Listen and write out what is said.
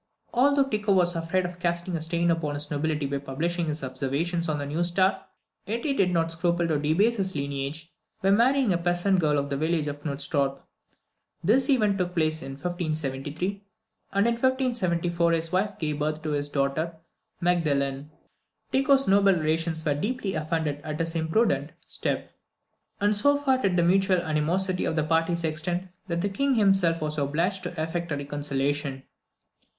Although Tycho was afraid of casting a stain upon his nobility by publishing his observations on the new star, yet he did not scruple to debase his lineage by marrying a peasant girl of the village of Knudstorp. This event took place in 1573, and in 1574 his wife gave birth to his daughter Magdalene. Tycho's noble relations were deeply offended at this imprudent step; and so far did the mutual animosity of the parties extend, that the King himself was obliged to effect a reconciliation.